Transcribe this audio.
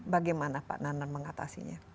bagaimana pak nandan mengatasinya